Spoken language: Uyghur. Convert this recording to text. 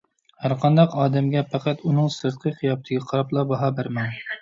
ھەر قانداق ئادەمگە پەقەت ئۇنىڭ سىرتقى قىياپىتىگە قاراپلا باھا بەرمەڭ.